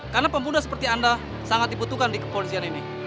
karena pembunuh seperti anda sangat dibutuhkan di kepolisian ini